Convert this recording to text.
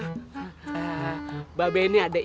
mbak benny ada ide mak